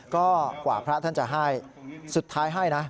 ก็กว่าพระท่านจะให้สุดท้ายให้นะ